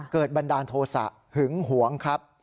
บันดาลโทษะหึงหวงครับ